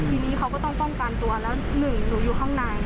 ทีนี้เขาก็ต้องป้องกันตัวแล้วหนึ่งหนูอยู่ข้างใน